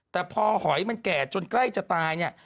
แต่พอหอยมันแก่จนใกล้จะตายเนี่ย